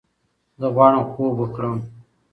زۀ غواړم خوب وکړم!